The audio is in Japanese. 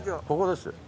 ここです。